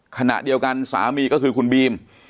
ขณะเดียวกันสามีก็คือคุณบีม